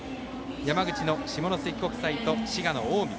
山口の下関国際と滋賀の近江。